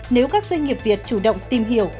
nếu các doanh nghiệp việt chủ động tìm hiểu